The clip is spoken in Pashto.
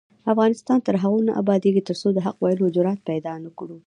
افغانستان تر هغو نه ابادیږي، ترڅو د حق ویلو جرات پیدا نکړو.